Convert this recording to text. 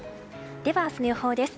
では、明日の予報です。